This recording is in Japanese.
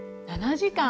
７時間！